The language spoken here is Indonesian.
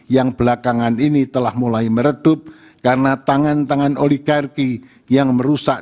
yang belakangan ini telah mulai meredup karena tangan tangan oligarki yang merusak